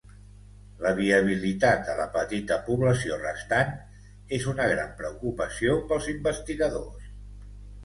La viabilitat de la petita població restant és una gran preocupació pels investigadors.